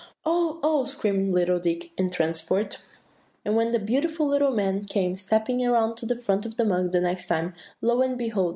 "Oh, oh!" screamed little Dick in a transport. "And when the beautiful little man came stepping around to the front of the mug the next time, lo, and behold!